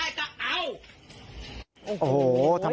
มีคนอยู่ไหมคะ